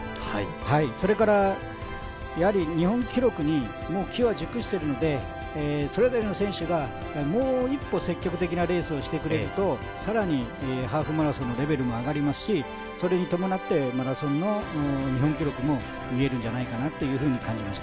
それから日本記録に機は熟しているのでそれぞれの選手がもう一歩積極的なレースをしてくれると更にハーフマラソンのレベルも上がりますしそれに伴ってマラソンの日本記録も見えるんじゃないかなと感じました。